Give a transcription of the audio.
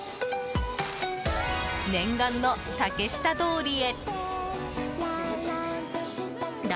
念願の竹下通りへ。